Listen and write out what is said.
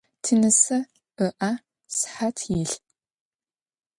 Тинысэ ыӏэ сыхьат илъ.